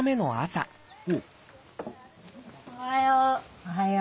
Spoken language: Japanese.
おはよう。